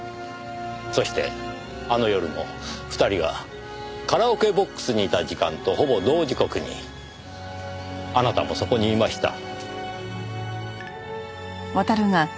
そしてあの夜も２人がカラオケボックスにいた時間とほぼ同時刻にあなたもそこにいました。